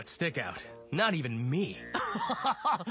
ハハハハッ！